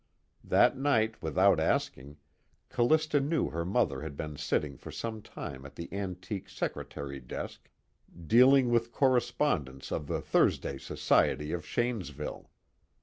That night, without asking, Callista knew her mother had been sitting for some time at the antique secretary desk, dealing with correspondence of the Thursday Society of Shanesville.